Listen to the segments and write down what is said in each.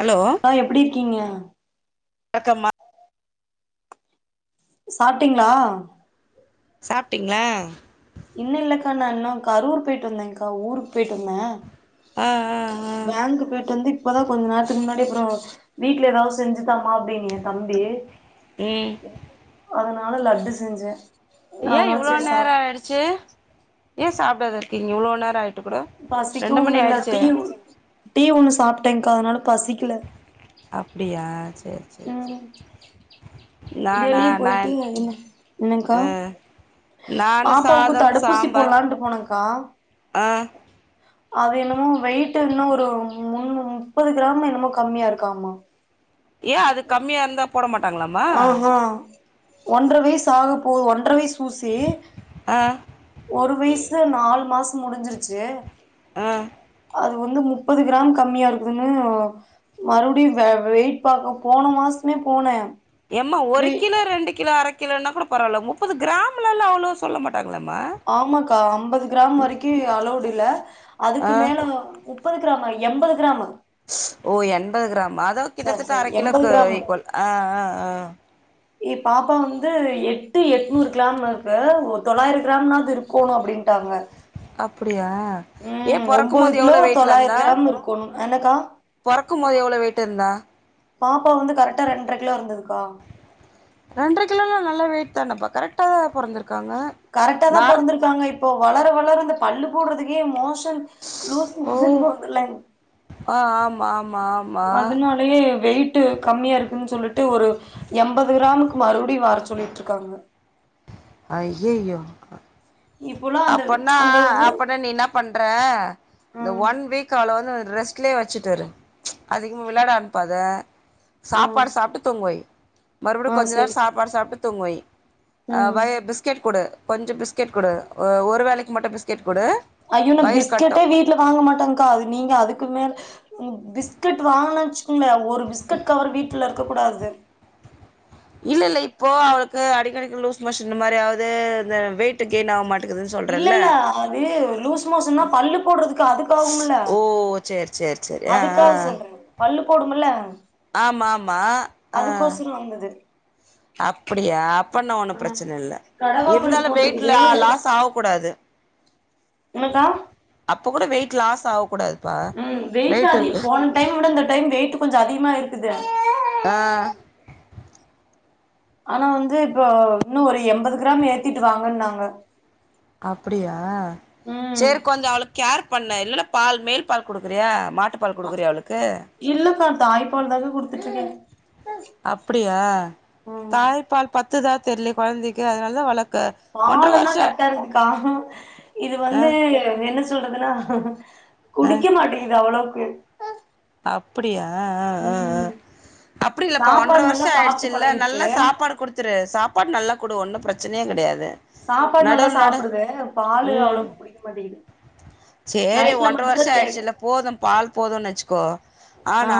hello ஆ எப்டி இருக்கீங்க வணக்கமா சாப்ட்டீங்ளா சாப்ட்டிங்ளா இன்னு இல்லக்கா நா இன்னு கரூர் போயிட்டு வந்தேன்கா ஊருக்கு போயிட்டு வந்தே ஆ ஆ ஆ பேங்க்கு போயிட்டு வந்து இப்பதா கொஞ்ச நேரத்துக்கு முன்னாடி அப்புறோ வீட்ல எதாவது செஞ்சு த்தாமா அப்டீன்ன என் தம்பி ம் அதனால லட்டு செஞ்சே ஏ அதனால இவ்ளோ சேரி சா நேரோ ஆய்டுச்சி ஏ சாப்டாது இருக்கீங்க இவ்ளோ நேரோ ஆய் பசிக்கவுமில்ல டீ ஒன் டீ ஒண்ணு சாப்ட்டேன்கா அதனால பசிக்ல அப்டியா சேர் சேர் ம் சேர் வெளிய போயிட்டு என்னங்கா ஆ நானு பாப்பாவுக்கு சாதம் தடுப்பூசி சாம்பார் போடலான்ட்டு போனக்கா ஆ அது என்னமோ வெயிட்டு இன்னு ஒரு மூன்னு முப்பது கிராமோ என்னமோ கம்மியா இருக்காமா ஏ அது கம்மியாருந்தா போட மாட் ஆ ஹா ஒன்ற வயஸ்சாக போகு ஒன்ற வய்ஸ் ஊசி ஆ ஒரு வயசு நாலு மாசோ முடிஞ்சிருச்சு ஆ அது வந்து முப்பது கிராம் கம்மியா இருக்குதுன்னு மறுபடியு வெயிட் பாக்க போன மாசமே போனே யம்மா ஒரு வெய் கிலோ ரெண்டு கிலோ அர கிலோன்னா கூட பரவால்ல முப்பது கிராம்லலா அவ்ளோ சொல்ல மாட்டாங்களேமா ஆமாக்கா அம்பது கிராம் வரிக்கி அளோடு இல்ல அதுக்கு ஆ மேல முப் முப்பது கிராமா எம்பது கிராமா ஓ எண்பது கிராமா அதா கிட்டத்தட்ட சாரி அர எம்பது கிலோக்கு கிராமு ஈக்வல் அ அ அ ஏ பாப்பா வந்து எட்டு எட்நூறு கிலாம் இருக்கு ஒரு தொளாயிரம் கிராம்னாவது இருக் கோணோ அப்டீன்ட்டாங்க அப்புடியா ம் ஒம்போது கிலோ தொளாயிர கிராம் இருக்கோணு என்னக்கா பொறக்கும் போது எவ்ளோ வெயிட் இருந்தா பாப்பா வந்து கரெட்டா ரெண்டற கிலோ இருந்ததுக்கா ரெண்ட்ர கிலோலா நல்லா வெயிட் தானப்பா கரெக்டாதா பொறந்துருக்காங்க கரெக்டாதா பொறந்திருக்காங்க இப்போ வளர வளர இந்த பல்லு போட்றதுக்கே மோஷன் லூஸ் ஓ மோஷன் போக்தில்லங் ஆ ஆமா ஆமா ஆம் அதுனாலயே வெய்ட்டு கம்மியா இருக்குன் சொல்லிட்டு ஒரு எம்பது கிராமக்கு மறுபடியு வர சொல்லிட்டு இருக்காங்க அய்யய்யோ இப்பல்லா அந்த அப்பன்னா அந்த ஊ அப்பன்னா நீ என்னா பண்ற இந்த ம் ஒன் வீக் அவ்ள வந்து ரெஸ்ட் க்லே வச்சுட் இரு அதிகமாக விளையாட அனுப்பாத ம் சாப்பாடு சாப்ட்டு தூங்வை மறுப்டியு ஆ கொஞ்சோ நேரோ சரி சாப்பாடு சாப்ட்டு தூங்வை அ ம் வை பிஸ்கெட் குடு கொஞ்ச பிஸ்கெட் குடு ஒரு வேலைக்கு மட்டு பிஸ்க் கேட் போடு ஐயோ நா வயிர் கட்டு பிஸ்கெட்டே வீட்ல வாங்க மாட்டங்க்கா அது நீங்க அதுக்கு மேல பிஸ்கெட் வாங்க இல்ல ஒரு பிஸ்கட் கவர் வீட்ல இருக்கக் கூடாது இல்ல இல்ல இப்போ அவுளுக்கு அடிக்கடிக்க லூஸ் மோஷன் மாரியாவது இந்த வெயிட் கெயின் ஆவ் மாட் இல்லல்ல அது லூஸ் மோசன்னா பல்லு போட்றதுக்கு அதுக்கு ஆகும்ல ஓ சேரி சேரி சேரி ஆ ஆ அதுக்காக சொல்ற பல்லு போடும்ல ஆமா ஆமா ஆ அதுக்கோசரோ வந்தது அப்படியா அப்பன்னா ஒண்ணு ஆ பிரச்சன இல்ல கடவா பல்லு இருந்தாலு வெயிட்ல போட்ருக்குது லாஸ் ஆவ கூடாது என்னக்கா அப்ப கூட வெய்ட் லாஸ் ஆவக் கூடாது ம் வெயிட்டாக் போன டைம் ஓட இந்த டைம் வெய்ட்டு கொஞ்சோ அதிகமாயிருக்குது ஆ ஆனா வந்து இப்போ இன்னு ஒரு எம்பது கிராம் ஏத்திட்டு வாங்கன்னாங்க அப்டியா ம் செரி கொஞ்சோ அவளுக் கேர் பண்ணு இல்லன்னா பால் மேல் பால் குடுக்குறியா மாட்டு பால் குடுக்குறியா அவளுக்கு இல்லக்கா தாய்ப்பால்தாக்கா குடுத்துட்ருக்க அப்டியா ம் தாய்ப்பால் பத்துதா தெர்லயே கொழந்தைக்கு அதனால்தா வளக்க பால் எல்லா கர்ட்டா இருக்குக்கா இது ஆ வந்து என்ன சொல்றதுனா ஆ குடிக்க மாட்டேங்குது அவ்ளோக்கு அப்படியா ஆ ஆ ஆ ம் அப்டி இல்லப்பா ஒன்ட்ர சாப்பாடு நல்லா வர்ஷோ சாப்ட்டு ஆயிடுச்சுல்ல பழகிருச்சு நல்லா சாப்பாடு குடுத்துரு சாப்பாட் நல்லா குடு ஒன்னு பிரச் பிரச்சனையே கெடையாது சாப்பாடு நல்லா நடவுள் நட சாப்டுது பாலு ம் அவ்ளோக்கு புடிக்க மாட்டேங்குது சேரி நைட்ல ஒன்ற மட்டுந்தா வருஷ தேடு ஆயிடுச்சுல்ல போது பால் போதுன் வச்சு கோ ஆ ஆனா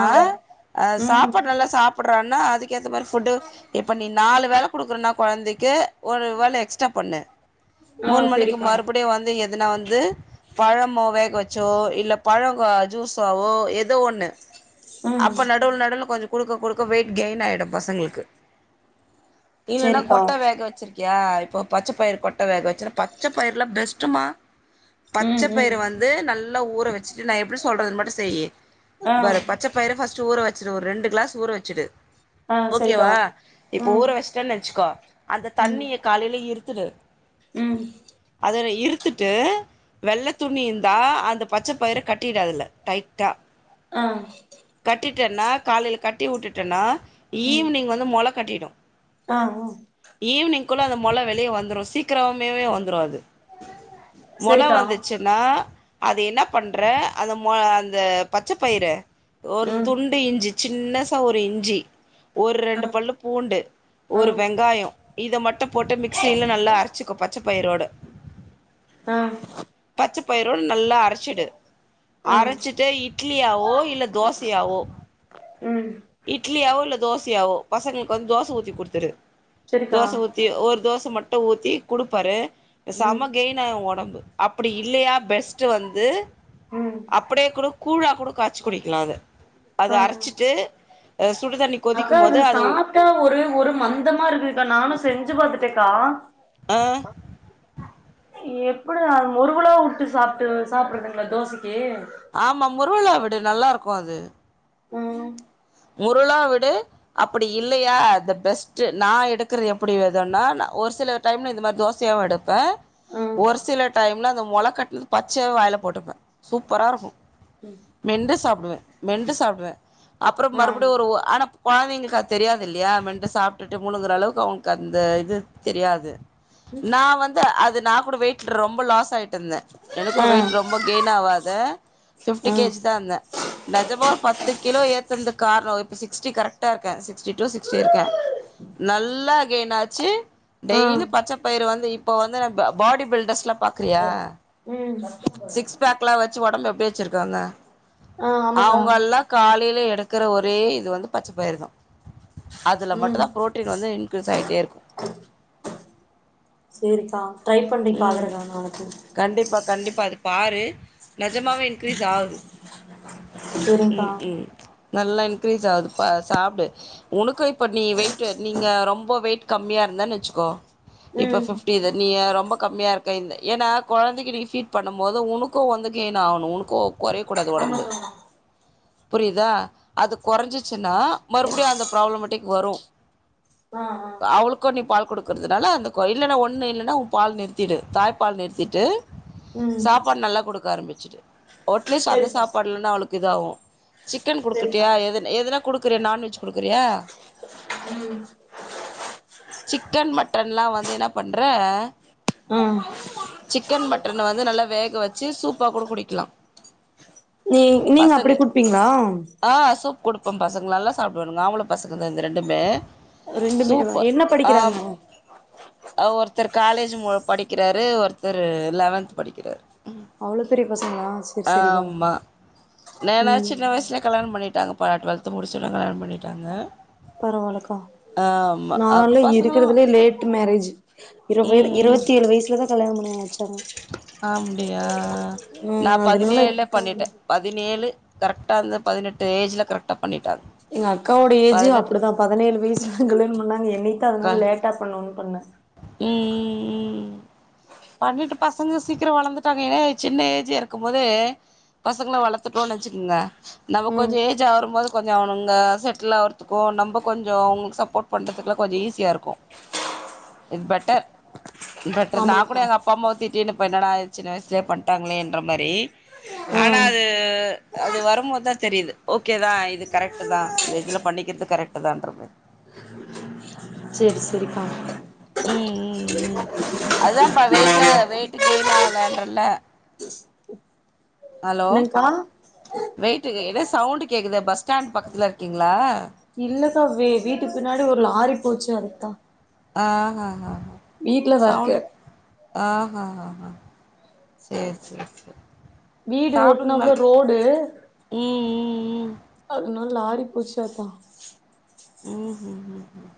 அ ம் சாப்பாட் நல்லா சாப்புட்றான்னா அதுக்கு ஏத்த மாரி ஃபுட்டு இப்ப நீ நாலு வேல குடுக்றனா கொழந்தைக்கு ஒரு வேல எக்ஸ்ட்டா பண்ணு ஆ மூண் மணிக்கு செரிக்கா மறுபடி வந்து எதுனா வந்து பழமோ வேக வச்சோ இல்ல பழ ஜூஸாவோ எ ஏதோ ஒன்னு ம் அப்ப நடுல நடுல கொஞ்ச குடுக்க குடுக்க வெயிட் கெயின் ஆயிடு பசங்களுக்கு இல்லன்னா செரிக்கா கொட்ட வேக வச்சிருக்கியா இப்போ பச்ச பயிர் கொட்ட வேக வச்சுன்னா பச்ச பயிர்லா பெஸ்டுமா பச்ச ம் ம் பயிர வந்து நல்லா ஊற வச்சுட்டு நா எப்டி சொல்றதுன் மட்டு செய்யி ஆ பாரு பச்சப்பயிர ஃபஸ்ட்டு ஊற வெச்சிரு ஒரு ரெண்டு க்ளாஸ் ஊர வெச்சிடு ஆ செரிக்கா ஓகேவா இப்ப ம் ஊற வச்டன் வச்சுக்கோ அந்த ம் தண்ணிய காலையில இருத்துடு ம் அதல இருத்துட்டு வெள்ள துணி இருந்தா அந்த பச்ச பயிர கட்டிடு அதுல டைட்டா ஆ கட்டிட்டன்னா காலைல கட்டி உட்டுட்டன்னா ம் ஈவ்னிங் வந்து மொள கட்டிடும் ஆ ம் ஈவினிங் கொள்ள அந்த மொள வெளிய வந்துரு சீக்கிரமாவே வந்துரு அது மொல செரிக்கா வந்துச்சு நா அது என்ன பண்ற அந்த மொ அந்த பச்ச பயிற ஒரு ம் துண்டு இஞ்சி சின்ன சா ஒரு இஞ்சி ஒரு ஆ ரெண்டு பல்லு பூண்டு ஆ ஒரு வெங்காயோ இத மட்டு போட்டு மிக்ஸியில நல்லா அரச்சிக்கோ பச்ச பயிரோடு ஆ பச்ச பயிரோ நல்லா அரச்சிடு ஆ அரைச்சிட்டு இட்லியாவோ இல்ல தோசையாவோ ம் இட்லியாவோ இல்ல தோசையாவோ பசங்களுக்கு வந்து தோச ஊத்தி குடுத்துரு செரிக்கா தோச ஊத்தி ஒரு தோச மட்டு ஊத்தி குடுப்பாரு ம் செம கெய் என்ன ஒடம்பு அப்டி இல்லயா பெஸ்ட் வந்து ம் அப்டியே கூட கூழா கூட காச் ச்சு குடிக்கலா அத அத ஆ ஆ அரைச்சிட்டு அ சுடுதண்ணி அக்கா இது சாப்ட்டா ஒரே ஒரு மந்தமா இருக்குது அக்கா நானு செஞ்சு பாத்துட்டேக்கா அ எப்டி அது முறுவலா வுட்டு சாப்ட்டு சாப்பிறதுங்களா தோசைக்கு ஆமா முருவலா விடு நல்லாருக்கு அது ஆம் முருவளா விடு அப்புடி இல்லையா இந்த பெஸ்ட்டு நா எடுக்குறது எப்டி வேதுன்னா நா ஒரு சில டைம்ல இந்த மாரி தோசையாவு எடுப் க ம் ஒரு சில டைம்ல அந்த மொள கட்டுல் பச்சையா வாயில போடுப்பே சூப்பரா இருக்கு மெண்டு சாப்டுவே மெண்டு சாப்டுவே அப்றோ ஆ மறுபடியு ஒரு ஆனா கொழந்தைங்களுக்கு அது தெரியாது இல்லயா மெண்ட்டு சாப்ட்டுட்டு மூழுங்குற அளவுக்கு அவுங்களுக்கு அந்த இது தெரியாது நா வந்து அது நா கூட வெயிட் ரொம்ப லாஸ் ஆயிட் டு இருந்தே எனக்கூட ஆ வெயிட் ரொம்ப கெயின் ஆவாது ஃபிஃப்டி ஆ கேஜி தா இருந்தே நெஜமா ஒரு பத்து கிலோ ஏத்துனது காரணோ இப்போ சிக்ஸ்டி கரெக்டா இருக்கே சிக்ஸ்டி டூ சிக்ஸ்டி இருக்கே நல்லா கேயின் ஆச்சு ஆ டெய்லி பச்ச பயறு வந்து இப்போ வந்து நா பாடி பில்டர்ஸ்லா பாக்குறியா ம் சிக்ஸ் பேக்லா வெச்சு ஒடம்பு எப்டி வெச்சிருக்காங்க ஆ ஆமாக்கா அவுங்க எல்லா காலையில எடுத் க்குற ஒரே இது வந்து பச்ச பயிறு தா அதுல மட்டு ம் தா ப்ரோட்டீன் வந்து இன்க்ரீஸ் ஆயிட்டே இருக்கு செரிக்கா ட்ரை பண்ணி பாக்குற ம் நா நாளைக்கு கண்டிப்பா கண்டிப்பா அது பாரு நெஜமாவே இன்கிரீஸ் ஆகுது சேரிங்க்கா ம் ம் நல்லா இன்கிரீஸ் ஆகுது சாப்டு உனக்கு இப்ப நீ வெயிட் நீங்க ரொம்ப வெயிட் கம்மியா இருந்தன் வச்சுக்கோ இப்ப ம் ஃபிப்டி இத நீ ரொம்ப கம்மியா இருக்க இந்த ஏன்னா கொழந்தைக்கி நீ ஃபீட் பண்ணும்போது உனக்கு வந்து கெயின் ஆகணு உனக்கு குறைய கூடாது உடம்பு ஆமாக்கா புரியுதா அது குறைஞ்சிச்சின்னா மறுபடியு அந்த ப்ராப்ளமேட்டிக் வரும் ஆ ஆ அவளுக்கும் நீ பால் குடுக்குறதுனால அந்த இல்லன்னா ஒண்ணு இல்லன்னா உன் பால் நிறுத்திடு தாய் பால் நிறுத்திட்டு ம் சாப்பாடு நல்லா குடுக்க ஆரம்பமிச்சிடு ஒட்லீஸ்ட் அந்த சேரிக்கா சாப்பாடுலன்னா அவளுக்கு இதாகு சிக்கன் சேரிக்கா குடுக்கட்டியா எது எதுனா குடுக்குறியா நான்வெஜ் குடுக்குறியா சிக்கன் மட்டன்லா வந்து என்ன பண்ற ஆ சிக்கன் மட்டன் வந்து நல்லா வேக வச்சு சூப்பா கூட குடிக்கலா நீ நீங்க பசங்க அப்டி குடுப்பீங்களா ஆ சூப் குடுப்போம் பசங்க நல்லா சாப்டுவாங்க ஆம்பள பசங்க தா இந்த ரெண்டுமே ரெண்டுமே வா சூப்பு என்ன படிக்கிறாங்க ஆ ஒருத்தர் காலேஜ் மு படிக்கிறாரு ஒருத்தரு லெவன்த் படிக்கிறாரு அவ்ளோ பெரிய பசங்ளா ஆம்மா நானா ம் சின்ன வயசலே கல்யாண பண்ணிட்டாங்கப்பா டுவெல்த்து முடிச்சோன கல்யாணம் பண்ணிட்டாங்க பரவாலக்கா ஆமா அப்ப நாலா பசங்கலா இருக்கிறதுலே லேட்டு மேரேஜ் இருவ ம் ம் இருவத்தி ஏழு வயசுலதா கல்யாணம் பண்ணி வச்சாங்க ஆ முடியா நா ஆ அதனால பதினேழ்ல இப்பதா பண்ணிட்டே பதினேழு கரெக்டா அந்த பதினெட்டு ஏஜ்ல கரெக்ட் தப் பண்ணிட்டாங்க எங்க அக்காவோட ஏஜு பதினெட்டு அப்டுதா பதனேழு வய்சுல கல்யாண் பண்ணாங்க எங்ளுக்குதா அதனால லேட்டா பண்ணோனுன் பண்ணே ம் ம் ம் ம் பண்ணிட்டு பசங்க சீக்ரோ வளந்துட்டாங்க ஏனா சின்ன ஏஜா இருக்கும் போதே பசங்கள வளர்த்துட்டோன் வச்சுக்கங்க நம்ம ம் கொஞ்சோ ஏஜ் ஆகுறபோது கொஞ்சோ அவுனுங்க செட்லாவ் த்துக்கு நம்ப கொஞ்சோ அவுங்களுக்கு சப்போர்ட் பண்றதுக்குலா கொஞ்சோ ஈஸியா இருக்கு இது பெட்டர் பெட்டர் நா கூட ஆமாக்கா எங்க அப்பா அம்மாவ திட்டினுப்பே என்னடா சின்ன வயசுலயே பண்ட்டாங்களேன்ற மாரி ஆ ஆனா அது அது வரும்போதா தெரியிது ஓக்கே தா இது கரக்ட்டு தா இந்த ஏஜ்ல பண்ணிக்கிறது கரெக்ட்டு தான்றமே செரி செரிக்கா ம் ம் ம் அதாப்பா வெயிட்ல வெயிட்டு கெயின் ஆகலன்றல்ல ஹலோ என்னங்க்கா வெயிட்டு ஏதா சவுண்டு கேக்குது பஸ் ஸ்டாண்ட் பக்கத்துல இருக்கீங்ளா இல்லக்கா வே வீட்டுக்கு பின்னாடி ஒரு லாரி போச்சு அதுக்தா ஆ ஆ ஆ தா இருக்கு சவுண்டு ஆ ஹ ஹ ஹா சேர் சேர் சேர் வீடு ஓட்னாப்ல ரோடு ம் ம் ம் அதுனால லாரி போச்சா கா ம் ம் ம் ம்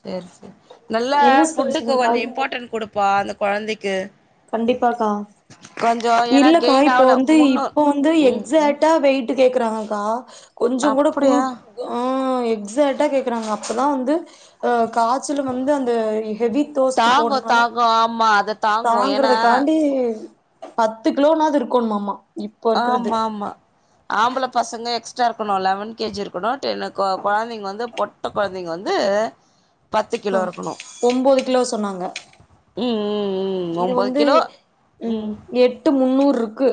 சேரி சேரி நல்லா என்ன ஃபுட்டுக்கு ஸ்பெஷல்க்கா கொஞ்சோ இம்பாட்டன்ட் குடுப்பா அந்த கொழந்தைக்கு கண்டிப்பாக்கா கொஞ்சோ ஏன்னா இல்லக்கா கெயின் இப்போ ஆகல வந்து முன்னூ இப்ப வந்து ம் எக்ஸட் டா வெயிட்டு கேக்குறாங்கக்கா கொஞ்சங்கூட கூ அப்படியா ஆ எக்ஸாட்டா கேக்குறாங்க அப்பதா வந்து கா ச்சுல வந்து அந்த ஹெவி தோஸ்ட்டு தாங்கு போறனால தாங்கு ஆமா அதுத்தா தாங்குறதுக்காண்டி பத்து கிலோனாது இருக்கணு மாமா ஆமாமா ஆம்பள பசங்க எக்ஸ்ட்ரா இருக்கணு லெவன் கேஜி இருக்கணு டென்னோ கொ கொழந்தைங்க வந்து பொட்ட கொழந்தைங்க வந்து பத்து ஆ கிலோ இருக்கணு ஒம்போது கிலோ சோ ம் ம் ம் ஒம்போது கிலோ ம் ட்டு முந்நூருக்கு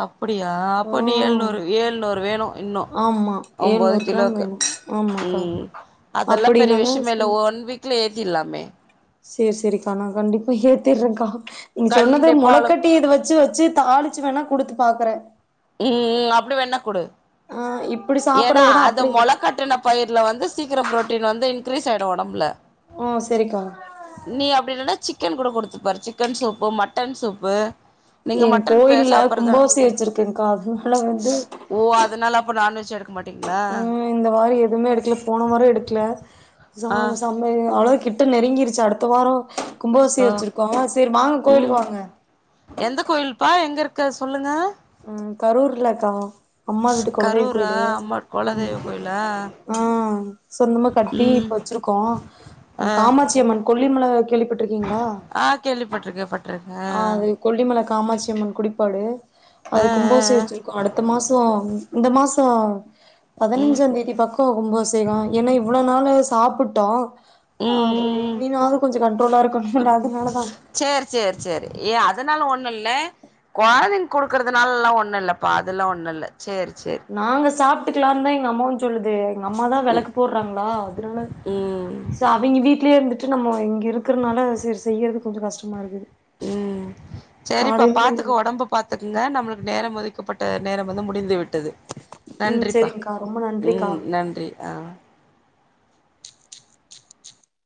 அப்டியா அப்போ நீ ஆ எழுநூறு ஏழுநூறு வேணு இன்னோ ஆமா ஒம்போது ஏழ்நூறு கிராம் கிலோக்கு வேணு ஆமாக்கா ம் அதெல்லா பெரிய அப்டின்னாதா விஷிமே இல்ல ஒன் வீக்ல ஏத்திர்லாமே சேர் சேரிக்கா நா கண்டிப்பா ஏத்திறேங்கா நீங்க சொன்னது கண்டிப்பா அவளுக் மொளக்கட்டி இத வச்சு வச்சு தாளிச்சு வேணா குடுத்து பாக்குறே ம் ம் அப்டி வேண்ணா குடு ஆ இப்டி ஏனா சாப்பட்றத விட அத அப்டி மொள கட்டுன பயிர்ல வந்து சீக்கரோ ப்ரோட்டீன் வந்து இன்க்ரீஸ் ஆய்டு ஒடம்புல ஓ செரிக்கா நீ அப்படில்லனா சிக்கன் கூட குடுத்துப்பாரு சிக்கன் சூப்பு மட்டன் சூப்பு நீங்க என் மட்டன் பே கோயில்ல சாப்பட்றதா கும்பாபிஷேகம் வச்சிருக்கங்கா அது தா ஓ அதனால அப்ப நான்வெஜ் எடுக்க மாட்டீங்களா ம் இந்த வாரோ எதுவுமே எடுக்கல போன வாரோ எடுக்கல சா ஆ சாம் மாரி அவ்ளோ கிட்ட நெருங்கிருச்சு அடுத்த வாரோ ஆ கும்பாபிஷேக வச்சுருக்கோ சரி வாங்க ம் கோயிலுக்கு வாங்க எந்த கோயில் பா எங்க இருக்கு அத சொல்லுங்க ம் கரூர்ல கா கரூர்ரா அம்மா ம் குலதெய்வ கோயிலா ஆ சொந்தமா கட்டி ம் இப்ப வச்சிருக்கோ அ ஆ காமாட்சியம்மன் கொல்லிமலை கேள்விப்பட்டிருக்கீங்களா ஆ கேள்விப்பட் ட்ருக்க பட்ருக்கே ஆ அது கொல்லிமல காமாட்சி அம்மன் குடிப்பாடு ஆ அது ஆ கும்பாபிஷே ஆ வெச்ருக்கோ அடுத்த மாசோ இந்த மாசோ ம் பதினஞ்சாந் தேதி பக் கோ கும்பாப்ஷேகோ ஏன்னா இவ்ளோ நாளு சாப்புட்டோ ஆ ம் போயி ம் இனினாது கொஞ்சோ கண்ட்ரோலா இருக்குனுல்ல அதுனாலதா சேரி சேரி சேரி ஏ அதனால ஒண்ணோல்ல கொழந்தைங்க் குடுக்குறதுனாலலா ஒண்ணு இல்லப்பா அதெல்லா ஒண்ணோல்ல சேரி சேரி நாங்க சாப்ட்டுக்லான்தா எங்க அம்மாவு சொல்லுது எங்க அம்மாதா வெளக்கு போட்றாங்ளா அதுனால ம் சோ அவிங்க வீட்லயே இருந்துட்டு நம்ம இங்க இருக்றனால செரி செய்யறதுக் கொஞ்சோ கஷ்டமா இருக்குது ம் சேரிப்பா காலையிலயு பாத்துக்க ஒடம்பப் பாத்துக்குங்க நம்ளுக்கு நேரம் ஒதுக்கப்பட்ட நேரம் வந்து முடிந்து விட் டது ம் நன்றி செரிங்க்கா ரொம்ப நன்றிக்கா பா